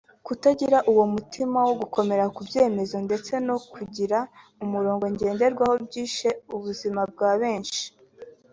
Kutagira uwo mutima wo gukomera ku byemezo ndetse no kugira umurongo ngenderwaho byishe ubuzima bwa benshi